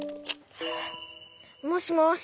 もしもし。